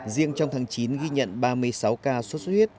riêng trong tháng chín ghi nhận ba mươi sáu ca sốt xuất huyết